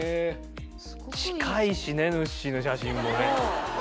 近いしねぬっしーの写真もね。